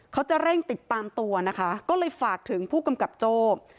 เขาจะเร่งติดตามตัวนะคะก็เลยฝากถึงผู้กำกับโจ้